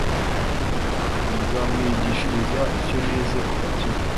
nzamwiyigishiriza icyo nize kuva kera.